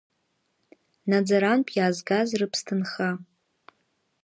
Наӡарантә иаазгаз рыԥсҭынха.